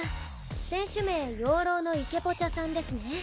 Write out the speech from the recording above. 選手名「養老の池ポチャ」さんですね。